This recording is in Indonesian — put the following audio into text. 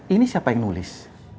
ini siapa yang nulis